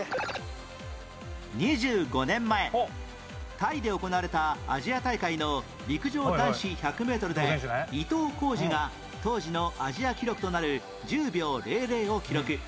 ２５年前タイで行われたアジア大会の陸上男子１００メートルで伊東浩司が当時のアジア記録となる１０秒００を記録